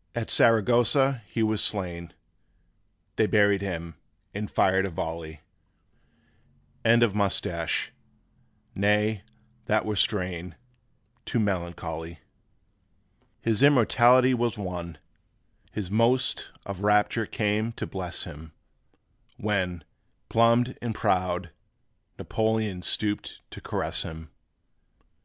') At Saragossa he was slain; They buried him, and fired a volley: End of Moustache. Nay, that were strain Too melancholy. His immortality was won, His most of rapture came to bless him, When, plumed and proud, Napoleon Stooped to caress him.